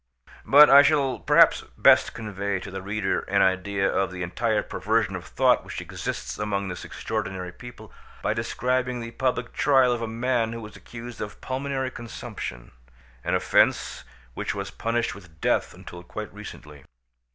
But I shall perhaps best convey to the reader an idea of the entire perversion of thought which exists among this extraordinary people, by describing the public trial of a man who was accused of pulmonary consumption—an offence which was punished with death until quite recently.